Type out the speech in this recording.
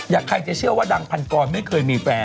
ใครจะเชื่อว่าดังพันกรไม่เคยมีแฟน